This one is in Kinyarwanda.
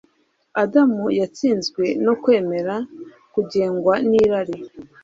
Adamu yatsinzwe no kwemera kugengwa nirari